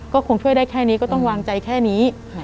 ก็คงช่วยได้แค่นี้ก็ต้องวางใจแค่นี้